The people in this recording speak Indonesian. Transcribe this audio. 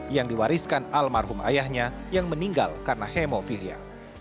yang diwariskan almarhum ayahnya yang meninggal karena hemofilia